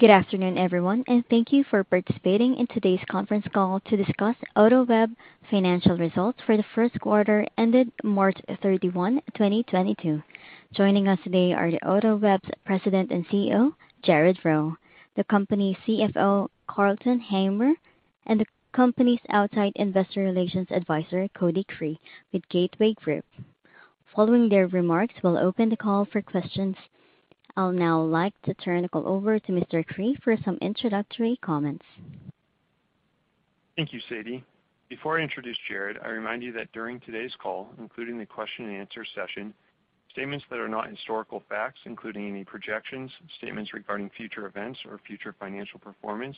Good afternoon, everyone, and thank you for participating in today's conference call to discuss AutoWeb financial results for the first quarter ended March 31, 2022. Joining us today are the AutoWeb's President and CEO, Jared Rowe, the company's CFO, Carlton Hamer, and the company's outside investor relations advisor, Cody Cree, with Gateway Group. Following their remarks, we'll open the call for questions. I'll now like to turn the call over to Mr. Cree for some introductory comments. Thank you, Sadie. Before I introduce Jared, I remind you that during today's call, including the question and answer session, statements that are not historical facts, including any projections, statements regarding future events or future financial performance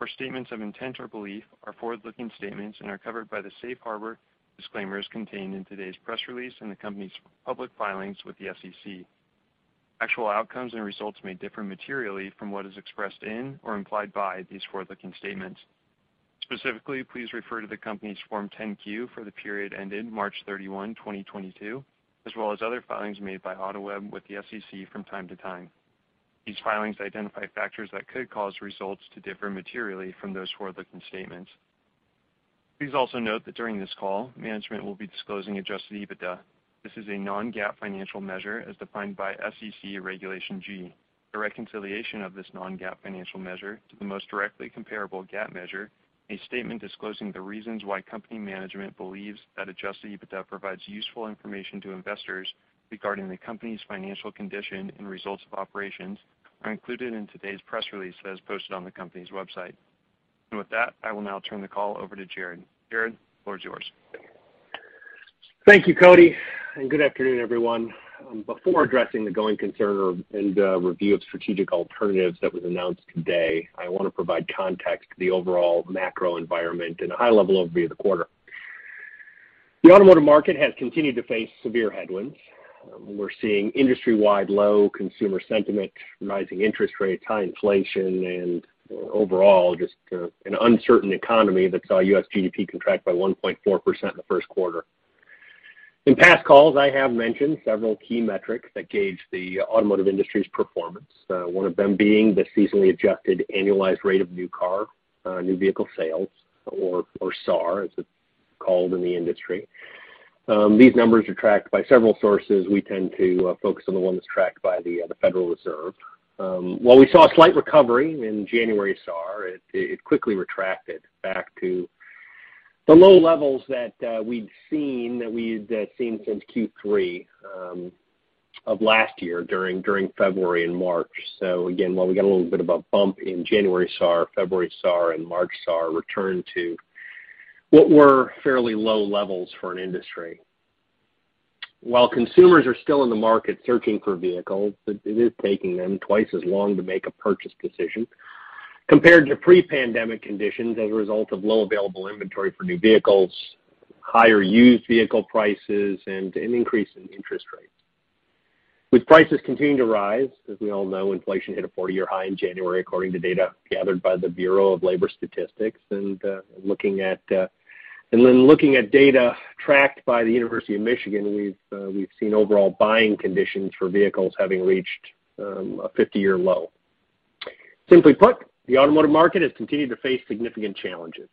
or statements of intent or belief are forward-looking statements and are covered by the safe harbor disclaimers contained in today's press release and the company's public filings with the SEC. Actual outcomes and results may differ materially from what is expressed in or implied by these forward-looking statements. Specifically, please refer to the company's Form 10-Q for the period ended March 31, 2022, as well as other filings made by AutoWeb with the SEC from time to time. These filings identify factors that could cause results to differ materially from those forward-looking statements. Please also note that during this call, management will be disclosing adjusted EBITDA. This is a non-GAAP financial measure as defined by SEC Regulation G. The reconciliation of this non-GAAP financial measure to the most directly comparable GAAP measure, a statement disclosing the reasons why company management believes that adjusted EBITDA provides useful information to investors regarding the company's financial condition and results of operations are included in today's press release that is posted on the company's website. With that, I will now turn the call over to Jared. Jared, the floor is yours. Thank you, Cody, and good afternoon, everyone. Before addressing the going concern and review of strategic alternatives that was announced today, I wanna provide context to the overall macro environment and a high level overview of the quarter. The automotive market has continued to face severe headwinds. We're seeing industry-wide low consumer sentiment, rising interest rates, high inflation and overall just an uncertain economy that saw U.S. GDP contract by 1.4% in the first quarter. In past calls, I have mentioned several key metrics that gauge the automotive industry's performance, one of them being the seasonally adjusted annualized rate of new vehicle sales or SAAR, as it's called in the industry. These numbers are tracked by several sources. We tend to focus on the one that's tracked by the Federal Reserve. While we saw a slight recovery in January SAAR, it quickly retracted back to the low levels that we'd seen since Q3 of last year during February and March. Again, while we got a little bit of a bump in January SAAR, February SAAR and March SAAR returned to what were fairly low levels for an industry. While consumers are still in the market searching for vehicles, it is taking them twice as long to make a purchase decision compared to pre-pandemic conditions as a result of low available inventory for new vehicles, higher used vehicle prices and an increase in interest rates. With prices continuing to rise, as we all know, inflation hit a forty-year high in January according to data gathered by the Bureau of Labor Statistics. Looking at. Looking at data tracked by the University of Michigan, we've seen overall buying conditions for vehicles having reached a 50-year low. Simply put, the automotive market has continued to face significant challenges.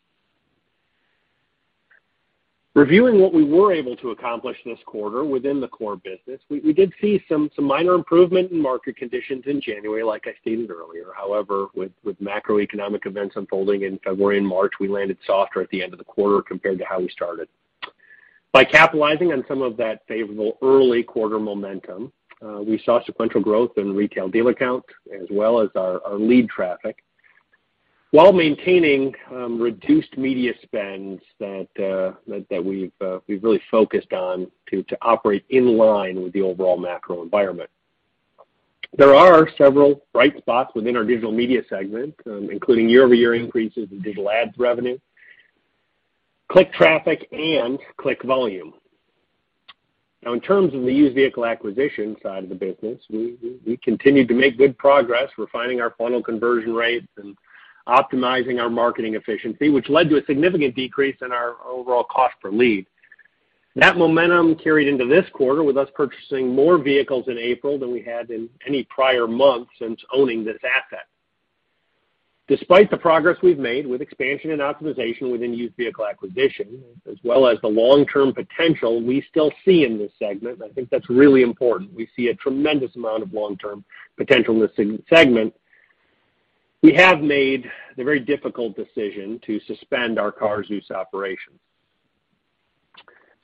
Reviewing what we were able to accomplish this quarter within the core business, we did see some minor improvement in market conditions in January, like I stated earlier. However, with macroeconomic events unfolding in February and March, we landed softer at the end of the quarter compared to how we started. By capitalizing on some of that favorable early quarter momentum, we saw sequential growth in retail dealer count as well as our lead traffic, while maintaining reduced media spends that we've really focused on to operate in line with the overall macro environment. There are several bright spots within our digital media segment, including year-over-year increases in digital ads revenue, click traffic and click volume. Now in terms of the used vehicle acquisition side of the business, we continued to make good progress refining our funnel conversion rates and optimizing our marketing efficiency, which led to a significant decrease in our overall cost per lead. That momentum carried into this quarter with us purchasing more vehicles in April than we had in any prior month since owning this asset. Despite the progress we've made with expansion and optimization within used vehicle acquisition, as well as the long-term potential we still see in this segment, I think that's really important. We see a tremendous amount of long-term potential in this segment. We have made the very difficult decision to suspend our CarZeus operations.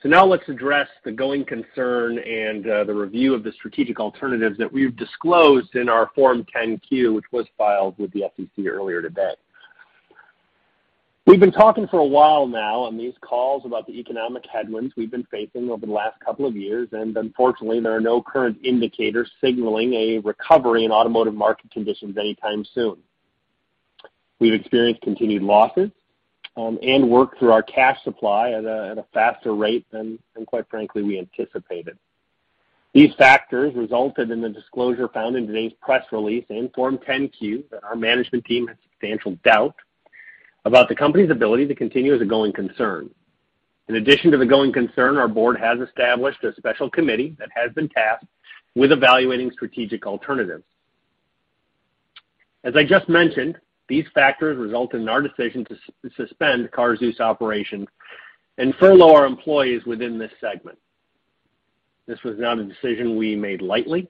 Now let's address the going concern and the review of the strategic alternatives that we've disclosed in our Form 10-Q, which was filed with the SEC earlier today. We've been talking for a while now on these calls about the economic headwinds we've been facing over the last couple of years, and unfortunately, there are no current indicators signaling a recovery in automotive market conditions anytime soon. We've experienced continued losses and worked through our cash supply at a faster rate than quite frankly we anticipated. These factors resulted in the disclosure found in today's press release and Form 10-Q that our management team had substantial doubt about the company's ability to continue as a going concern. In addition to the going concern, our board has established a special committee that has been tasked with evaluating strategic alternatives. As I just mentioned, these factors result in our decision to suspend CarZeus operations and furlough our employees within this segment. This was not a decision we made lightly.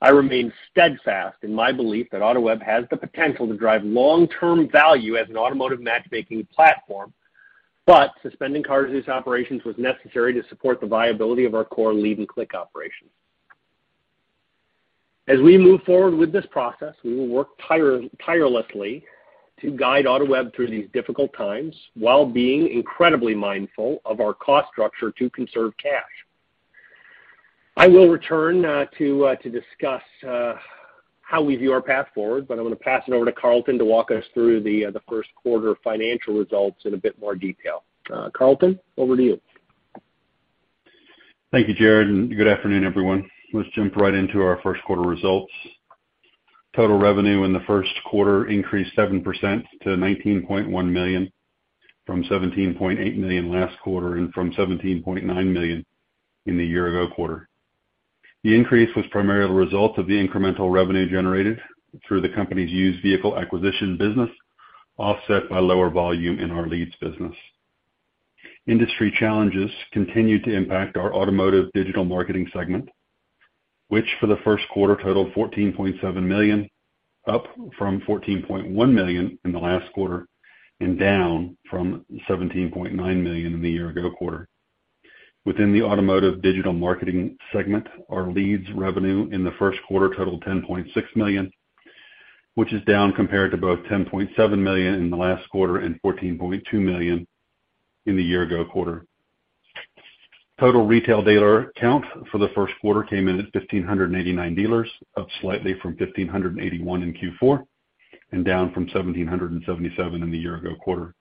I remain steadfast in my belief that AutoWeb has the potential to drive long-term value as an automotive matchmaking platform, but suspending CarZeus operations was necessary to support the viability of our core lead and click operations. As we move forward with this process, we will work tirelessly to guide AutoWeb through these difficult times, while being incredibly mindful of our cost structure to conserve cash. I will return to discuss how we view our path forward, but I'm gonna pass it over to Carlton to walk us through the first quarter financial results in a bit more detail. Carlton, over to you. Thank you, Jared, and good afternoon, everyone. Let's jump right into our first quarter results. Total revenue in the first quarter increased 7% to $19.1 million from $17.8 million last quarter and from $17.9 million in the year ago quarter. The increase was primarily the result of the incremental revenue generated through the company's used vehicle acquisition business, offset by lower volume in our leads business. Industry challenges continued to impact our automotive digital marketing segment, which for the first quarter totaled $14.7 million, up from $14.1 million in the last quarter and down from $17.9 million in the year ago quarter. Within the automotive digital marketing segment, our leads revenue in the first quarter totaled $10.6 million, which is down compared to both $10.7 million in the last quarter and $14.2 million in the year ago quarter. Total retail dealer count for the first quarter came in at 1,589 dealers, up slightly from 1,581 in Q4, and down from 1,777 in the year ago quarter.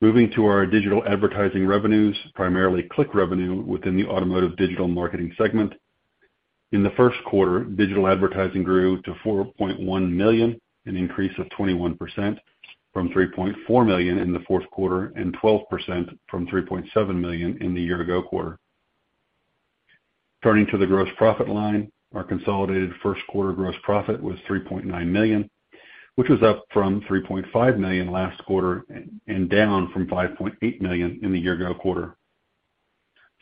Moving to our digital advertising revenues, primarily click revenue within the automotive digital marketing segment. In the first quarter, digital advertising grew to $4.1 million, an increase of 21% from $3.4 million in the fourth quarter, and 12% from $3.7 million in the year ago quarter. Turning to the gross profit line, our consolidated first quarter gross profit was $3.9 million, which was up from $3.5 million last quarter and down from $5.8 million in the year ago quarter.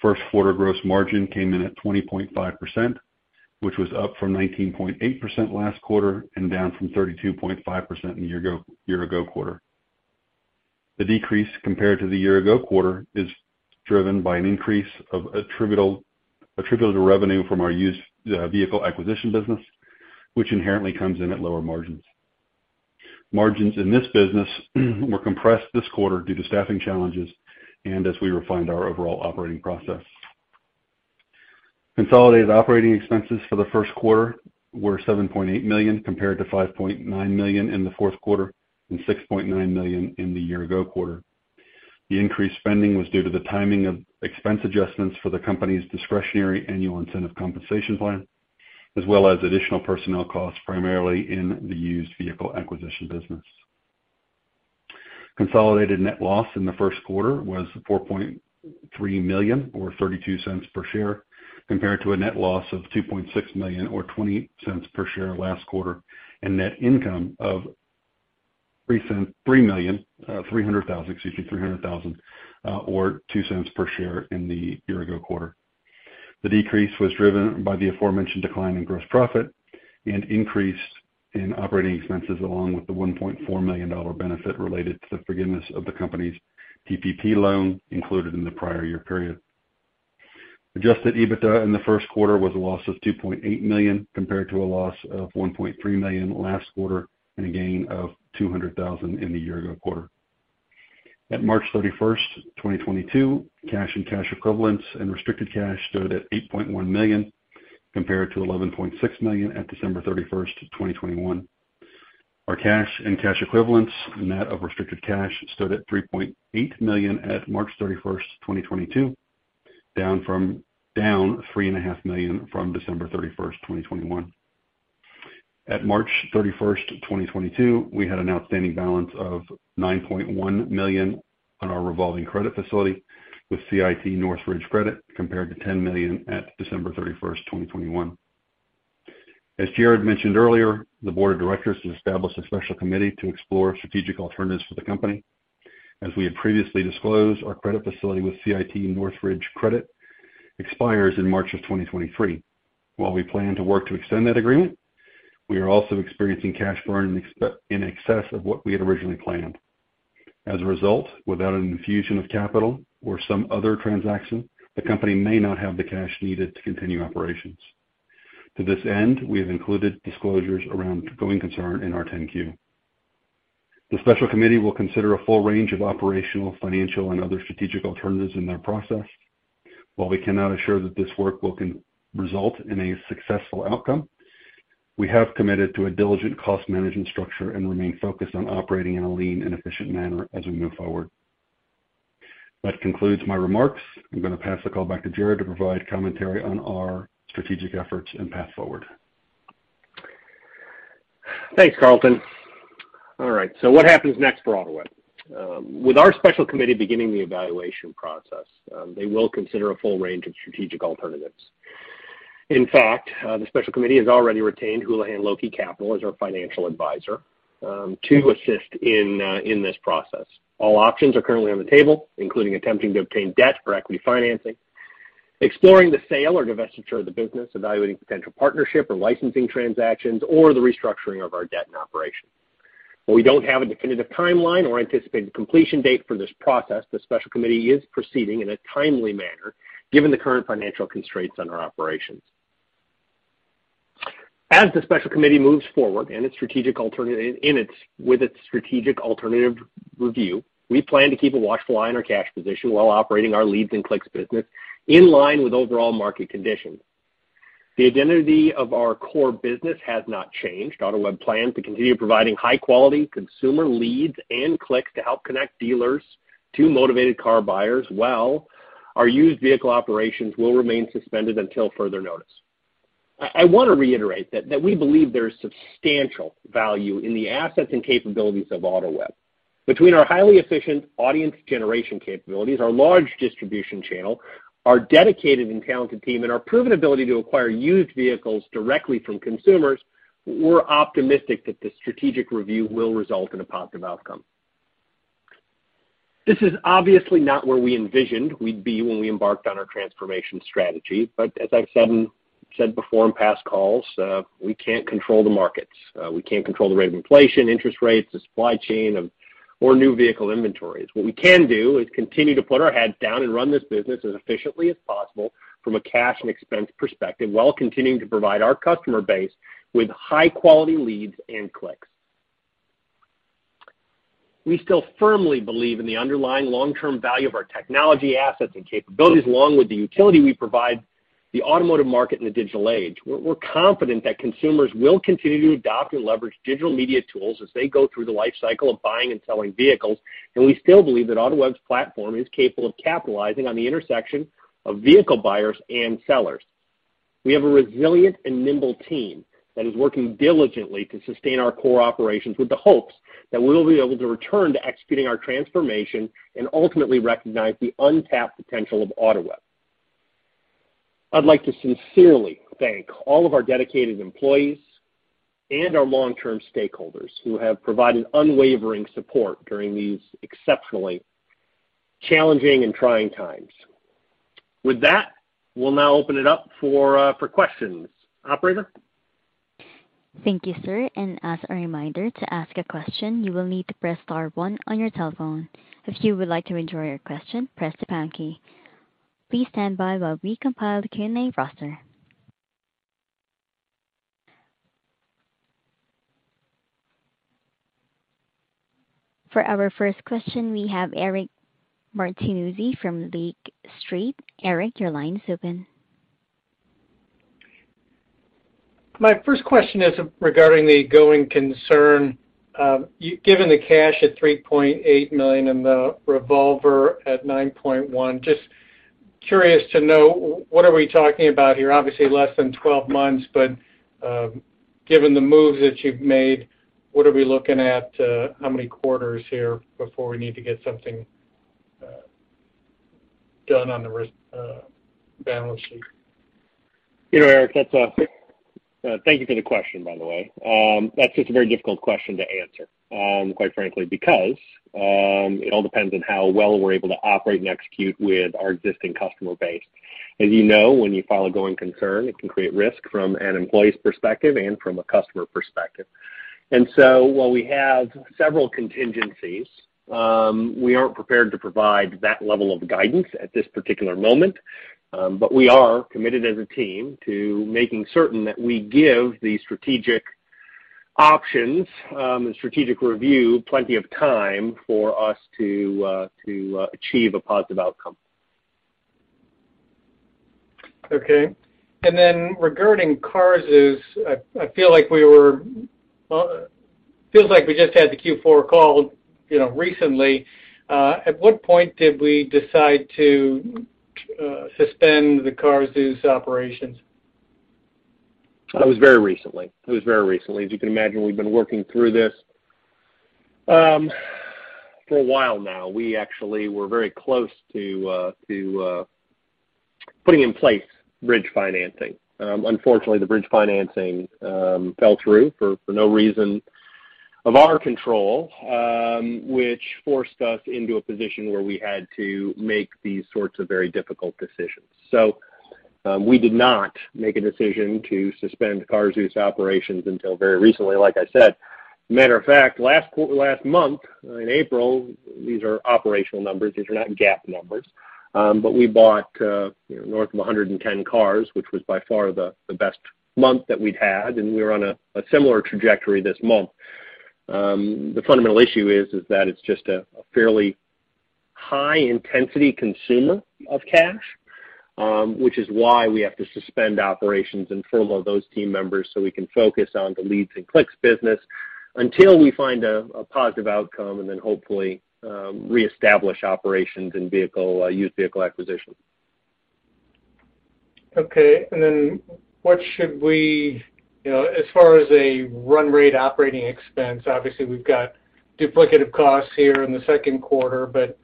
First quarter gross margin came in at 20.5%, which was up from 19.8% last quarter and down from 32.5% in year ago quarter. The decrease compared to the year ago quarter is driven by an increase attributable to revenue from our used vehicle acquisition business, which inherently comes in at lower margins. Margins in this business were compressed this quarter due to staffing challenges and as we refined our overall operating process. Consolidated operating expenses for the first quarter were $7.8 million compared to $5.9 million in the fourth quarter and $6.9 million in the year ago quarter. The increased spending was due to the timing of expense adjustments for the company's discretionary annual incentive compensation plan, as well as additional personnel costs primarily in the used vehicle acquisition business. Consolidated net loss in the first quarter was $4.3 million or $0.32 per share, compared to a net loss of $2.6 million or $0.20 per share last quarter, and net income of $300,000 or $0.02 per share in the year ago quarter. The decrease was driven by the aforementioned decline in gross profit and increase in operating expenses, along with the $1.4 million benefit related to the forgiveness of the company's PPP loan included in the prior year period. Adjusted EBITDA in the first quarter was a loss of $2.8 million, compared to a loss of $1.3 million last quarter and a gain of $200,000 in the year ago quarter. At March 31, 2022, cash and cash equivalents and restricted cash stood at $8.1 million, compared to $11.6 million at December 31, 2021. Our cash and cash equivalents, net of restricted cash, stood at $3.8 million at March 31, 2022, down $3.5 million from December 31, 2021. At March 31, 2022, we had an outstanding balance of $9.1 million on our revolving credit facility with CIT Northbridge Credit, compared to $10 million at December 31, 2021. As Jared mentioned earlier, the board of directors has established a special committee to explore strategic alternatives for the company. As we had previously disclosed, our credit facility with CIT Northbridge Credit expires in March 2023. While we plan to work to extend that agreement, we are also experiencing cash burn in excess of what we had originally planned. As a result, without an infusion of capital or some other transaction, the company may not have the cash needed to continue operations. To this end, we have included disclosures around going concern in our 10-Q. The special committee will consider a full range of operational, financial, and other strategic alternatives in their process. While we cannot assure that this work will result in a successful outcome, we have committed to a diligent cost management structure and remain focused on operating in a lean and efficient manner as we move forward. That concludes my remarks. I'm gonna pass the call back to Jared to provide commentary on our strategic efforts and path forward. Thanks, Carlton. All right, what happens next for AutoWeb? With our special committee beginning the evaluation process, they will consider a full range of strategic alternatives. In fact, the special committee has already retained Houlihan Lokey as our financial advisor, to assist in this process. All options are currently on the table, including attempting to obtain debt for equity financing, exploring the sale or divestiture of the business, evaluating potential partnership or licensing transactions, or the restructuring of our debt and operations. While we don't have a definitive timeline or anticipated completion date for this process, the special committee is proceeding in a timely manner given the current financial constraints on our operations. As the special committee moves forward with its strategic alternative review, we plan to keep a watchful eye on our cash position while operating our leads and clicks business in line with overall market conditions. The identity of our core business has not changed. AutoWeb plans to continue providing high quality consumer leads and clicks to help connect dealers to motivated car buyers, while our used vehicle operations will remain suspended until further notice. I wanna reiterate that we believe there is substantial value in the assets and capabilities of AutoWeb. Between our highly efficient audience generation capabilities, our large distribution channel, our dedicated and talented team, and our proven ability to acquire used vehicles directly from consumers, we're optimistic that this strategic review will result in a positive outcome. This is obviously not where we envisioned we'd be when we embarked on our transformation strategy. As I've said before in past calls, we can't control the markets. We can't control the rate of inflation, interest rates, the supply chain or new vehicle inventories. What we can do is continue to put our heads down and run this business as efficiently as possible from a cash and expense perspective, while continuing to provide our customer base with high quality leads and clicks. We still firmly believe in the underlying long-term value of our technology assets and capabilities, along with the utility we provide the automotive market in the digital age. We're confident that consumers will continue to adopt and leverage digital media tools as they go through the lifecycle of buying and selling vehicles, and we still believe that AutoWeb's platform is capable of capitalizing on the intersection of vehicle buyers and sellers. We have a resilient and nimble team that is working diligently to sustain our core operations with the hopes that we'll be able to return to executing our transformation and ultimately recognize the untapped potential of AutoWeb. I'd like to sincerely thank all of our dedicated employees and our long-term stakeholders who have provided unwavering support during these exceptionally challenging and trying times. With that, we'll now open it up for questions. Operator? Thank you, sir. As a reminder, to ask a question, you will need to press star one on your telephone. If you would like to withdraw your question, press the pound key. Please stand by while we compile the Q&A roster. For our first question, we have Eric Martinuzzi from Lake Street. Eric, your line is open. My first question is regarding the going concern. You, given the cash at $3.8 million and the revolver at $9.1 million, just curious to know what are we talking about here? Obviously less than 12 months, but given the moves that you've made, what are we looking at, how many quarters here before we need to get something done on the risk balance sheet? You know, Eric, thank you for the question, by the way. That's just a very difficult question to answer, quite frankly, because it all depends on how well we're able to operate and execute with our existing customer base. As you know, when you file a going concern, it can create risk from an employee's perspective and from a customer perspective. While we have several contingencies, we aren't prepared to provide that level of guidance at this particular moment. We are committed as a team to making certain that we give the strategic options and strategic review plenty of time for us to achieve a positive outcome. Okay. Regarding CarZeus, I feel like, well, feels like we just had the Q4 call, you know, recently. At what point did we decide to suspend the CarZeus operations? It was very recently. As you can imagine, we've been working through this for a while now. We actually were very close to putting in place bridge financing. Unfortunately, the bridge financing fell through for no reason of our control, which forced us into a position where we had to make these sorts of very difficult decisions. We did not make a decision to suspend CarZeus operations until very recently, like I said. Matter of fact, last month in April, these are operational numbers, these are not GAAP numbers, but we bought, you know, north of 110 cars, which was by far the best month that we'd had, and we're on a similar trajectory this month. The fundamental issue is that it's just a fairly high intensity consumer of cash, which is why we have to suspend operations and furlough those team members so we can focus on the leads and clicks business until we find a positive outcome and then hopefully reestablish operations in used vehicle acquisition. Okay. You know, as far as a run rate operating expense, obviously we've got duplicative costs here in the second quarter, but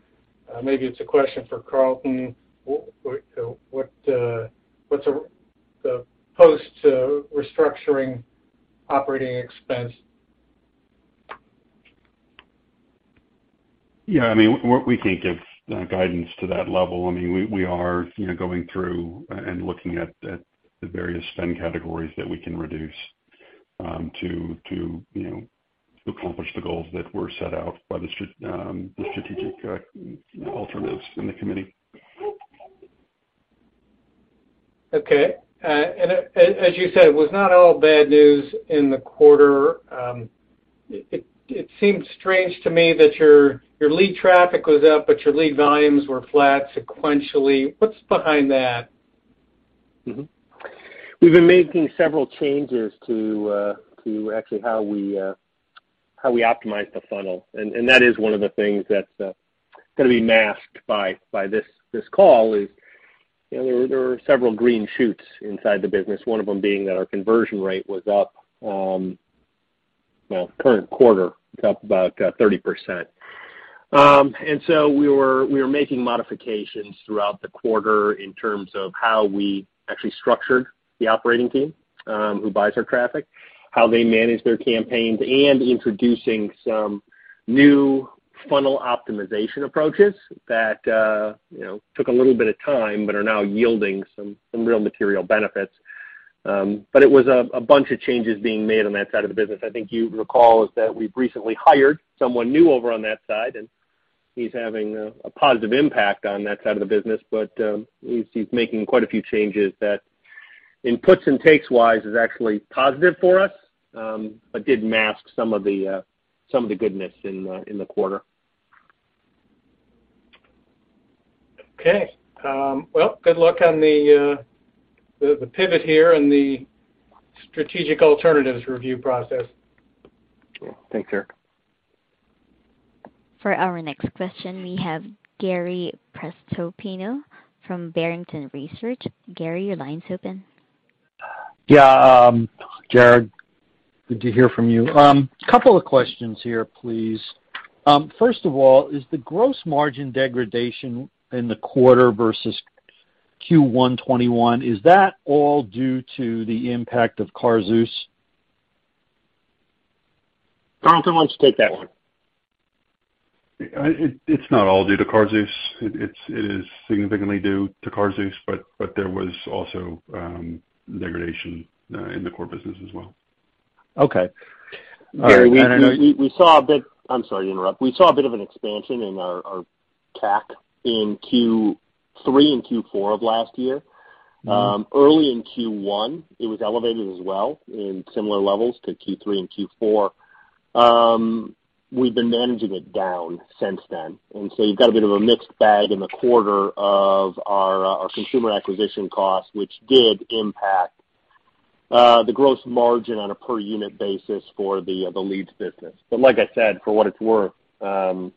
maybe it's a question for Carlton. What’s our post-restructuring operating expense? Yeah. I mean, what we think of guidance to that level, I mean, we are, you know, going through and looking at the various spend categories that we can reduce, to you know, accomplish the goals that were set out by the strategic alternatives in the committee. Okay. As you said, it was not all bad news in the quarter. It seems strange to me that your lead traffic was up but your lead volumes were flat sequentially. What's behind that? We've been making several changes to actually how we optimize the funnel. That is one of the things that's gonna be masked by this call. You know, there were several green shoots inside the business, one of them being that our conversion rate was up. Well, current quarter, it's up about 30%. We were making modifications throughout the quarter in terms of how we actually structured the operating team, who buys our traffic, how they manage their campaigns, and introducing some new funnel optimization approaches that you know took a little bit of time but are now yielding some real material benefits. It was a bunch of changes being made on that side of the business. I think you recall that we've recently hired someone new over on that side, and he's having a positive impact on that side of the business. He's making quite a few changes that puts and takes-wise is actually positive for us, but did mask some of the goodness in the quarter. Okay. Well, good luck on the pivot here and the strategic alternatives review process. Yeah. Thanks, Eric. For our next question, we have Gary Prestopino from Barrington Research. Gary, your line's open. Yeah. Jared, good to hear from you. Couple of questions here, please. First of all, is the gross margin degradation in the quarter versus Q1 2021, is that all due to the impact of CarZeus? Carlton, why don't you take that one? It's not all due to CarZeus. It is significantly due to CarZeus, but there was also degradation in the core business as well. Okay. All right. Gary, I'm sorry to interrupt. We saw a bit of an expansion in our CAC in Q3 and Q4 of last year. Mm-hmm. Early in Q1 it was elevated as well in similar levels to Q3 and Q4. We've been managing it down since then. You've got a bit of a mixed bag in the quarter of our consumer acquisition costs, which did impact the gross margin on a per unit basis for the leads business. Like I said, for what it's worth, you know,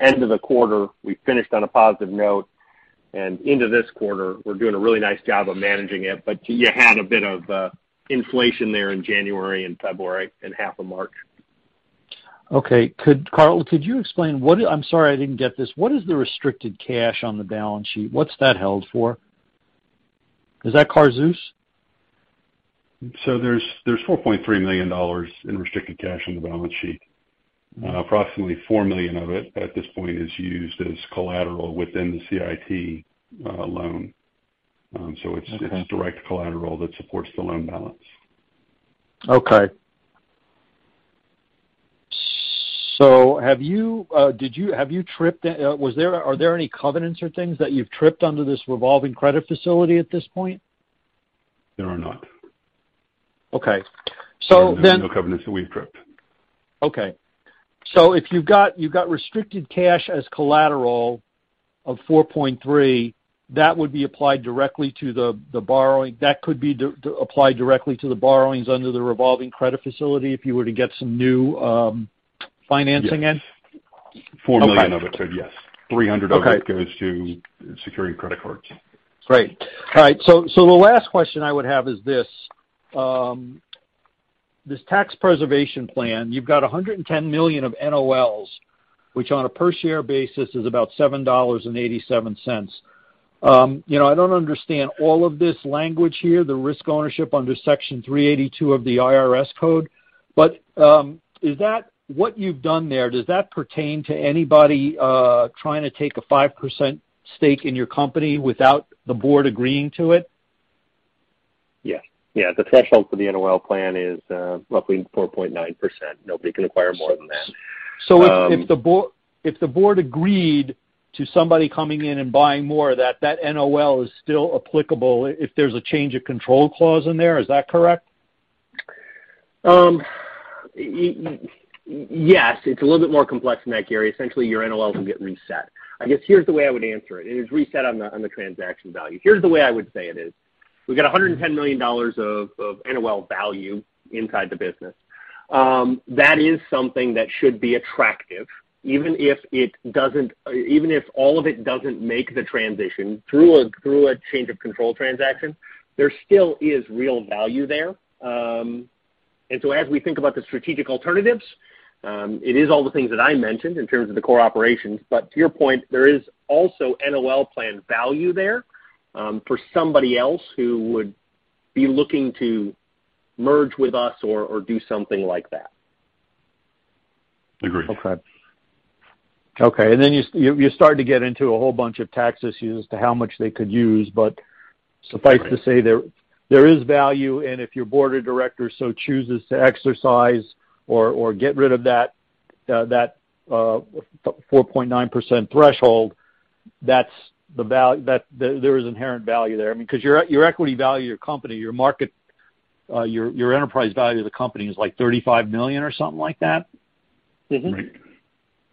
end of the quarter we finished on a positive note, and into this quarter we're doing a really nice job of managing it. You had a bit of inflation there in January and February and half of March. Okay. Carlton, I'm sorry, I didn't get this. What is the restricted cash on the balance sheet? What's that held for? Is that CarZeus? There's $4.3 million in restricted cash on the balance sheet. Approximately $4 million of it at this point is used as collateral within the CIT loan. Okay. It's direct collateral that supports the loan balance. Okay. Have you tripped, are there any covenants or things that you've tripped under this revolving credit facility at this point? There are not. Okay. There are no covenants that we've tripped. Okay. If you've got restricted cash as collateral of $4.3, that would be applied directly to the borrowing. That could be applied directly to the borrowings under the revolving credit facility if you were to get some new financing in? Yes. Okay. $4 million of it could, yes. Okay. $300 of it goes to securing credit cards. Great. All right. The last question I would have is this: This tax preservation plan, you've got $110 million of NOLs, which on a per share basis is about $7.87. You know, I don't understand all of this language here, the ownership restrictions under Section 382 of the Internal Revenue Code. What you've done there, does that pertain to anybody trying to take a 5% stake in your company without the board agreeing to it? Yes. Yeah. The threshold for the NOL plan is roughly 4.9%. Nobody can acquire more than that. If the board agreed to somebody coming in and buying more, that NOL is still applicable if there's a change of control clause in there, is that correct? Yes, it's a little bit more complex than that, Gary. Essentially, your NOL will get reset. I guess here's the way I would answer it, and it's reset on the transaction value. Here's the way I would say it is. We've got $110 million of NOL value inside the business. That is something that should be attractive, even if it doesn't. Even if all of it doesn't make the transition through a change of control transaction, there still is real value there. As we think about the strategic alternatives, it is all the things that I mentioned in terms of the core operations. But to your point, there is also NOL value there, for somebody else who would be looking to merge with us or do something like that. Agreed. Okay, you start to get into a whole bunch of tax issues as to how much they could use. Suffice to say there is value, and if your board of directors so chooses to exercise or get rid of that 4.9% threshold, that there is inherent value there. I mean, 'cause your equity value of your company, your market, your enterprise value of the company is like $35 million or something like that. Mm-hmm. Right.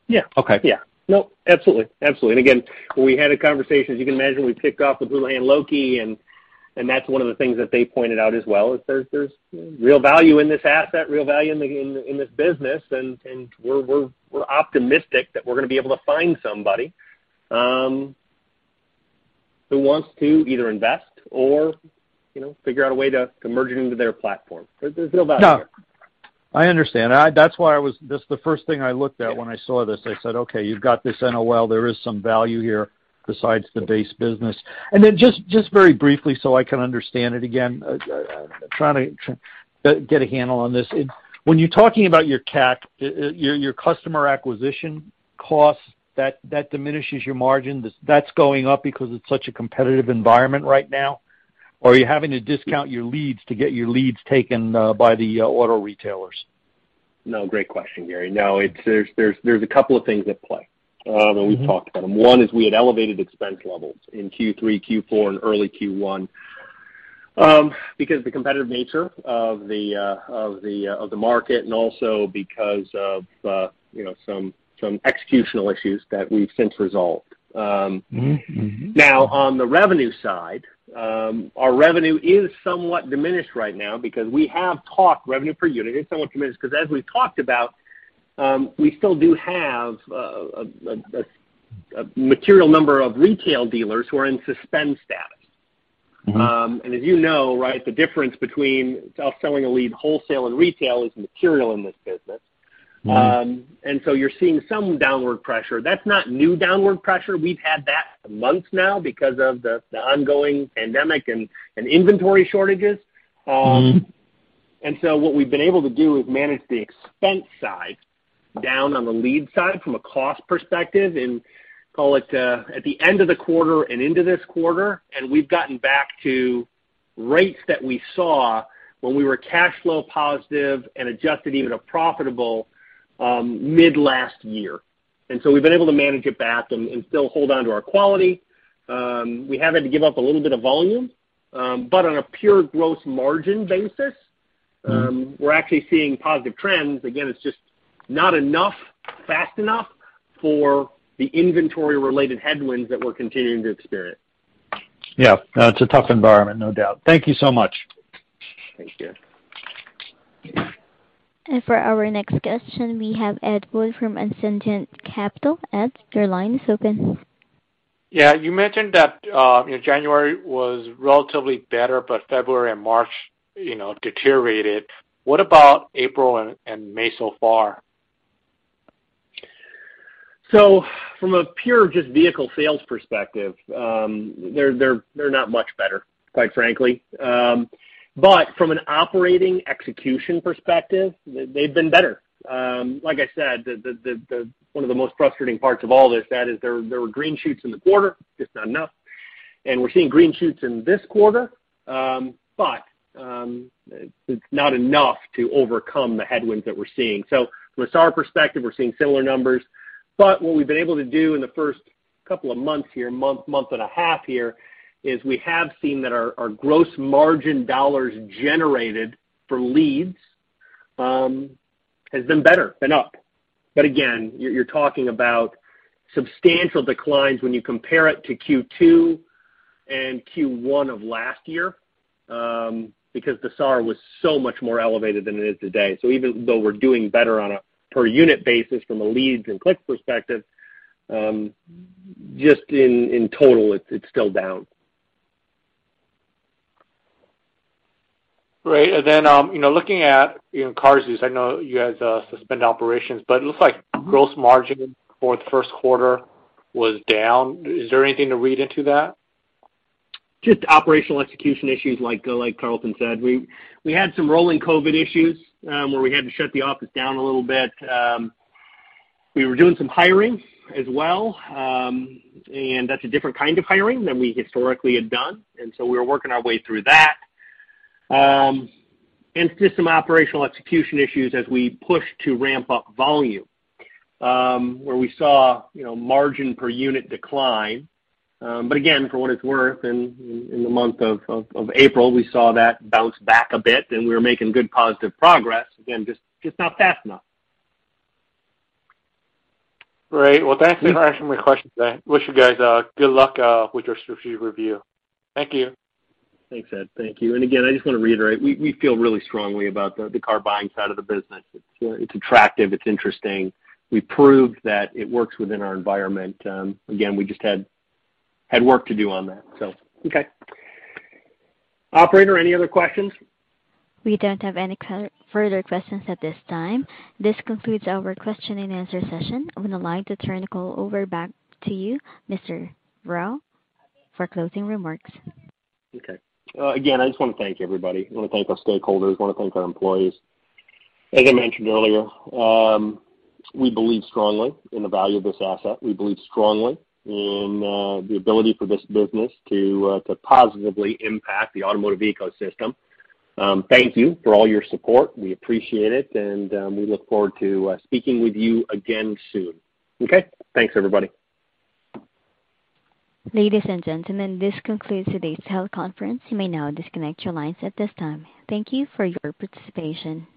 Yeah. Okay. Yeah. No, absolutely. Again, we had a conversation, as you can imagine. We picked up with Houlihan Lokey, and that's one of the things that they pointed out as well, is there's real value in this asset, real value in this business. We're optimistic that we're gonna be able to find somebody who wants to either invest or, you know, figure out a way to merge it into their platform. There's real value there. No, I understand. That's why I was. This the first thing I looked at when I saw this. I said, "Okay, you've got this NOL. There is some value here besides the base business." Then just very briefly, so I can understand it again, trying to get a handle on this. When you're talking about your CAC, your customer acquisition costs, that diminishes your margin. That's going up because it's such a competitive environment right now? Or are you having to discount your leads to get your leads taken, by the auto retailers? No, great question, Gary. No, it's. There's a couple of things at play. Mm-hmm. We've talked about them. One is we had elevated expense levels in Q3, Q4, and early Q1, because the competitive nature of the market and also because of, you know, some executional issues that we've since resolved. Mm-hmm, mm-hmm. Now, on the revenue side, revenue per unit is somewhat diminished because as we've talked about, we still do have a material number of retail dealers who are in suspend status. Mm-hmm. As you know, right, the difference between selling a lead wholesale and retail is material in this business. Mm-hmm. You're seeing some downward pressure. That's not new downward pressure. We've had that for months now because of the ongoing pandemic and inventory shortages. Mm-hmm. What we've been able to do is manage the expense side down on the lead side from a cost perspective and call it at the end of the quarter and into this quarter, and we've gotten back to rates that we saw when we were cash flow positive and adjusted EBITDA even profitable mid last year. We've been able to manage it back and still hold on to our quality. We have had to give up a little bit of volume. But on a pure gross margin basis- Mm-hmm. We're actually seeing positive trends. Again, it's just not enough, fast enough for the inventory-related headwinds that we're continuing to experience. Yeah. No, it's a tough environment, no doubt. Thank you so much. Thank you. For our next question, we have Ed Woo from Ascendiant Capital. Ed, your line is open. Yeah. You mentioned that, you know, January was relatively better, but February and March, you know, deteriorated. What about April and May so far? From a pure just vehicle sales perspective, they're not much better, quite frankly. From an operating execution perspective, they've been better. Like I said, the one of the most frustrating parts of all this, that is there were green shoots in the quarter, just not enough. We're seeing green shoots in this quarter, but it's not enough to overcome the headwinds that we're seeing. From a SAAR perspective, we're seeing similar numbers. What we've been able to do in the first couple of months here, a month and a half here, is we have seen that our gross margin dollars generated for leads has been better and up. Again, you're talking about substantial declines when you compare it to Q2 and Q1 of last year, because the SAAR was so much more elevated than it is today. So even though we're doing better on a per unit basis from a leads and clicks perspective, just in total, it's still down. Right. You know, looking at, you know, CarZeus, I know you guys suspended operations, but it looks like gross margin for the first quarter was down. Is there anything to read into that? Just operational execution issues like Carlton said. We had some rolling COVID issues, where we had to shut the office down a little bit. We were doing some hiring as well, and that's a different kind of hiring than we historically had done. We were working our way through that. Just some operational execution issues as we pushed to ramp up volume, where we saw, you know, margin per unit decline. But again, for what it's worth, in the month of April, we saw that bounce back a bit, and we were making good, positive progress. Again, just not fast enough. Great. Well, thanks for answering my questions. I wish you guys good luck with your strategic review. Thank you. Thanks, Ed. Thank you. Again, I just wanna reiterate, we feel really strongly about the car buying side of the business. It's attractive. It's interesting. We proved that it works within our environment. Again, we just had work to do on that. Okay. Operator, any other questions? We don't have any further questions at this time. This concludes our question and answer session. I'm gonna turn the call back over to you, Mr. Rowe, for closing remarks. Okay. Again, I just wanna thank everybody. I wanna thank our stakeholders. I wanna thank our employees. As I mentioned earlier, we believe strongly in the value of this asset. We believe strongly in the ability for this business to positively impact the automotive ecosystem. Thank you for all your support. We appreciate it, and we look forward to speaking with you again soon. Okay? Thanks, everybody. Ladies and gentlemen, this concludes today's teleconference. You may now disconnect your lines at this time. Thank you for your participation.